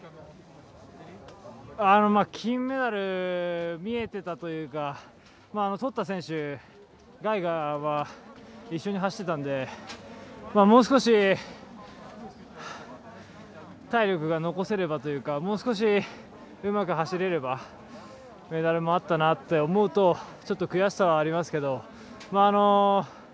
金メダル見えていたというかとった選手、ガイガーは一緒に走ってたのでもう少し体力が残せればというかもう少し、うまく走れればメダルもあったなと思うとちょっと悔しさはありますけど。